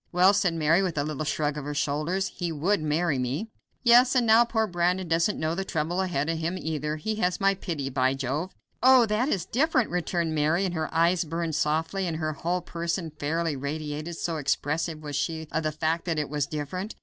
"Well," said Mary, with a little shrug of her shoulders, "he would marry me." "Yes, and now poor Brandon doesn't know the trouble ahead of him, either. He has my pity, by Jove!" "Oh, that is different," returned Mary, and her eyes burned softly, and her whole person fairly radiated, so expressive was she of the fact that "it was different."